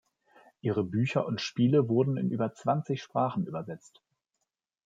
Ihre Bücher und Spiele wurden in über zwanzig Sprachen übersetzt.